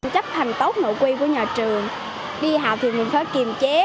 chấp hành tốt nội quy của nhà trường đi học thì mình phải kiềm chế